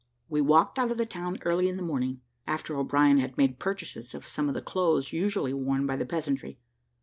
We walked out of the town early in the morning, after O'Brien had made purchases of some of the clothes usually worn by the peasantry.